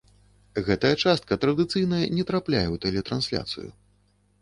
Гэта частка традыцыйна не трапляе ў тэлетрансляцыю.